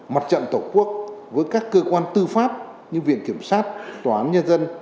mặt trận tổ quốc với các cơ quan tư pháp như viện kiểm sát tòa án nhân dân